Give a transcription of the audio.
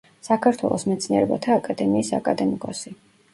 საქართველოს მეცნიერებათა აკადემიის აკადემიკოსი.